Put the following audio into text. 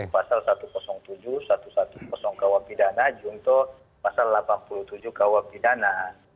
pasal satu ratus tujuh satu ratus sepuluh kawabidana junto pasal delapan puluh tujuh kawabidana